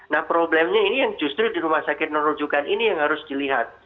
nah problemnya ini yang justru di rumah sakit non rujukan ini yang harus dilihat